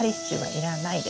いらない。